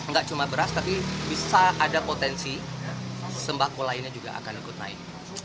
nggak cuma beras tapi bisa ada potensi sembako lainnya juga akan ikut naik